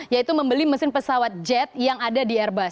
yaitu membeli mesin pesawat jet yang ada di airbus